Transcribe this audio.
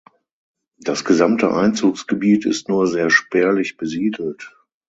Das gesamte Einzugsgebiet ist nur sehr spärlich besiedelt.